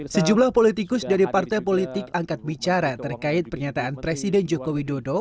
sejumlah politikus dari partai politik angkat bicara terkait pernyataan presiden joko widodo